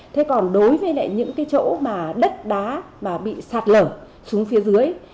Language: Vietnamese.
thế còn đối với lại những cái chỗ mà đất đá mà bị sạt lở xuống phía dưới